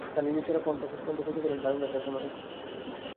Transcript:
তবে নিজের সেরা ফর্মটা শেষ পর্যন্ত খুঁজে পেলেন দারুণ একটা সময়ে।